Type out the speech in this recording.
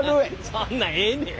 そんなんええねん。